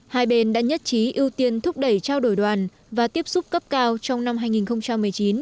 hai bên đã nhất trí ưu tiên thúc đẩy trao đổi đoàn và tiếp xúc cấp cao trong năm hai nghìn một mươi chín